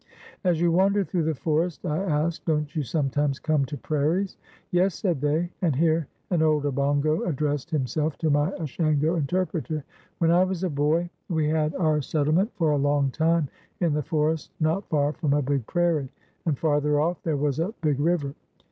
"As you wander through the forest," I asked, "don't you sometimes come to prairies?" "Yes," said they, and here an old Obongo addressed himself to my Ashango interpreter. "When I was a boy, we had our settlement for a long time in the forest not far from a big prairie, and farther off there was a big river.